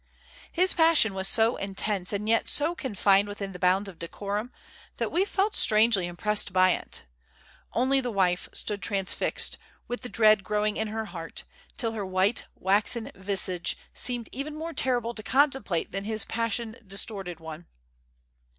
His passion was so intense and yet so confined within the bounds of decorum, that we felt strangely impressed by it. Only the wife stood transfixed, with the dread growing in her heart, till her white, waxen visage seemed even more terrible to contemplate than his passion distorted one.